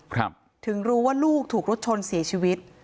ถึงรู้ว่าลูกถูกรถชนเสียชีวิต